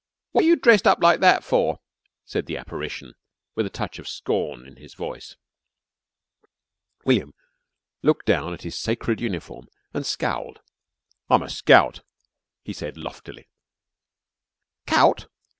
"Wot you dressed up like that for?" said the apparition, with a touch of scorn in his voice. William looked down at his sacred uniform and scowled. "I'm a scout," he said loftily. "'Cout?"